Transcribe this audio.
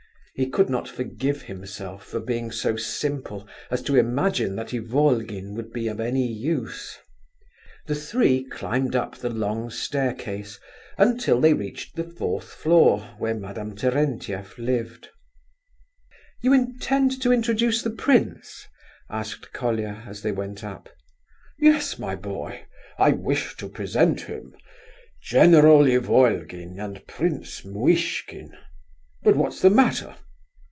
He could not forgive himself for being so simple as to imagine that Ivolgin would be of any use. The three climbed up the long staircase until they reached the fourth floor where Madame Terentieff lived. "You intend to introduce the prince?" asked Colia, as they went up. "Yes, my boy. I wish to present him: General Ivolgin and Prince Muishkin! But what's the matter?...